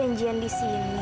katanya janjian disini